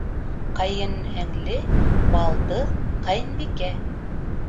Ҡәйенһеңле, балдыҙ, ҡәйенбикә.